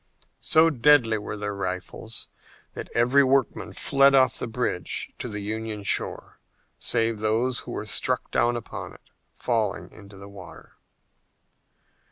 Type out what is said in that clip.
So deadly were their rifles that every workman fled off the bridge to the Union shore, save those who were struck down upon it, falling into the water.